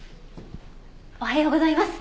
おはようございます。